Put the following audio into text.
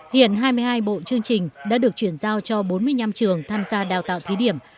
hiện hai mươi hai bộ chương trình đã được chuyển giao cho bốn mươi năm trường tham gia đào tạo thí điểm